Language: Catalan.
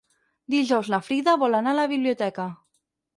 Dijous na Frida vol anar a la biblioteca.